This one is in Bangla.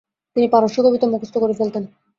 তিনি পারস্য কবিতা মুখস্থ করে ফেলতেন।